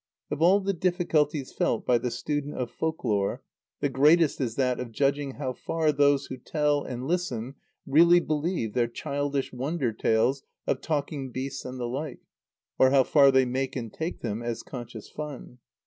Of all the difficulties felt by the student of folk lore the greatest is that of judging how far those who tell and listen really believe their childish wonder tales of talking beasts and the like, or how far they make and take them as conscious fun.